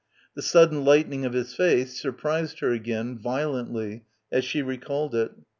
The sudden lighten ing of his face surprised her again, violently, as she recalled it.